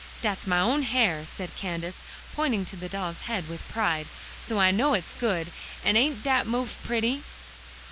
"Dat's my own hair," said Candace, pointing to the doll's head with pride, "so I know it's good; an' ain't dat mouf pretty?"